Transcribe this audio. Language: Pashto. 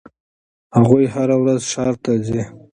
هغوی هره ورځ ښار ته ځي.